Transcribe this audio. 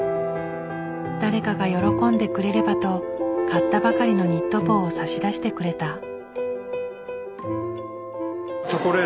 誰かが喜んでくれればと買ったばかりのニット帽を差し出してくれた。